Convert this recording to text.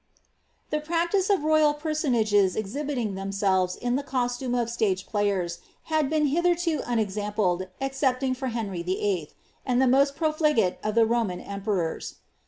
The practice of ro3ral personages exhibiting themselTSs in the coftime of stage players, had been hitherto unexampled, excepting by Henry YIII^' and the most profligate of the Roman emperors.